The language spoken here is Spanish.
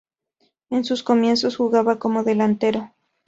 En sus comienzos jugaba como delantero.